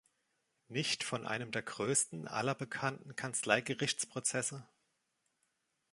Nicht von einem der größten aller bekannten Kanzleigerichtsprozesse?